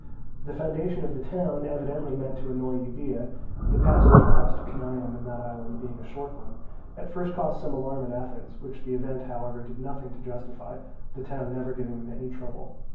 The foundation of this town, evidently meant to annoy Euboea (the passage across to Cenaeum in that island being a short one), at first caused some alarm at Athens, which the event however did nothing to justify, the town never giving them any trouble.